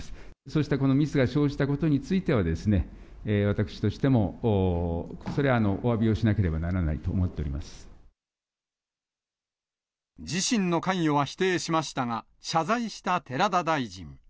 そうしたミスが生じたことについてはですね、私としても、それはおわびをしなければならないと思自身の関与は否定しましたが、謝罪した寺田大臣。